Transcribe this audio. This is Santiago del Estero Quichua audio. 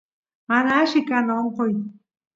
mana alli kan onqoy